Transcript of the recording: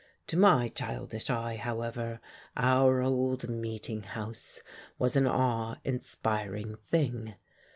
To my childish eye, however, our old meeting house was an awe inspiring thing.